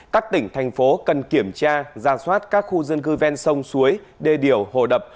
các tỉnh thành phố cần kiểm tra ra soát các khu dân cư ven sông suối đê điều hồ đập